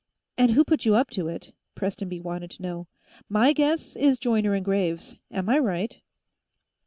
"And who put you up to it?" Prestonby wanted to know. "My guess is Joyner and Graves. Am I right?"